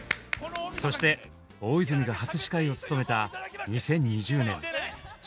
そして大泉が初司会を務めた２０２０年。